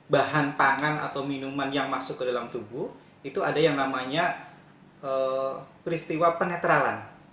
bahan pangan atau minuman yang masuk ke dalam tubuh itu ada yang namanya peristiwa penetralan